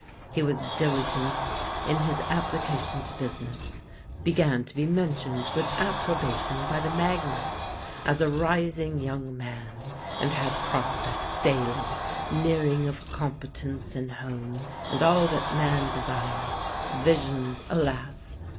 He was diligent in his application to business, began to be mentioned with approbation by the magnates as a rising young man, and had prospects daily nearing of competence and home, and all that man desires visions, alas!